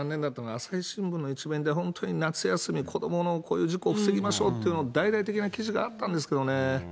朝日新聞の１面で、本当に夏休み子どものこういう事故を防ぎましょうっていうのを、大々的な記事があったんですけどね。